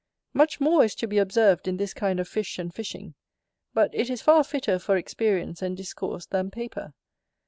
Much more is to be observed in this kind of fish and fishing, but it is far fitter for experience and discourse than paper.